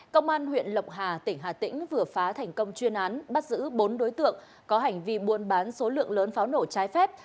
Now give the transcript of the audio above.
công an huyện lộc hà tỉnh hà tĩnh vừa phá thành công chuyên án bắt giữ bốn đối tượng có hành vi buôn bán số lượng lớn pháo nổ trái phép